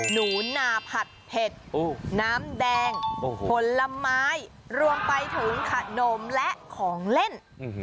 หนูนาผัดเผ็ดน้ำแดงผลไม้รวมไปถึงขนมและของเล่น